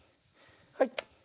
はい。